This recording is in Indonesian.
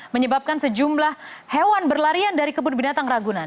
menyebabkan sejumlah hewan berlarian dari kebun binatang ragunan